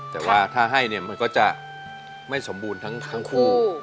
แต่ว่าถ้าให้เนี่ยมันก็จะไม่สมบูรณ์ทั้งคู่